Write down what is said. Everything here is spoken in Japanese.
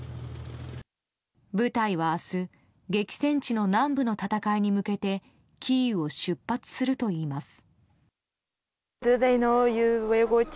部隊は明日激戦地の南部の戦いに向けてキーウを出発するといいます。